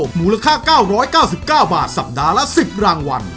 หมูราค่าเก้าร้อยเก้าสิบเก้าบาทสัปดาห์ละสิบรางวัล